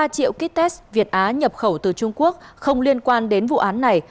ba triệu kit test việt á nhập khẩu từ trung quốc không liên quan đến vụ án này